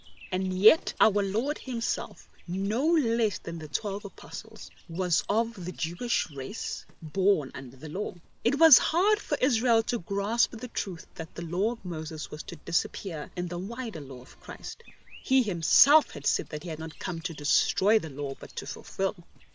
And yet Our Lord Himself, no less than the twelve Apostles, was of the Jewish race, born under the Law. It was hard for Israel to grasp the truth that the Law of Moses was to disappear in the wider Law of Christ. He Himself had said that He had come not to destroy the Law but to fulfil.